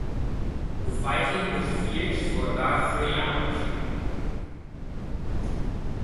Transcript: The fighting was fierce for about three hours.